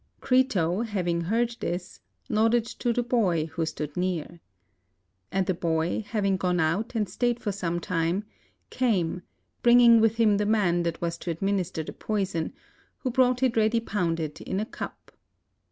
Crito having heard this, nodded to the boy that stood 1 80 THE DEATH OF SOCRATES near. And the boy, having gone out and stayed for some time, came, bringing with him the man that was to administer the poison, who brought it ready pounded in a cup.